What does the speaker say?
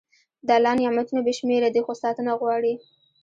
د الله نعمتونه بې شمېره دي، خو ساتنه غواړي.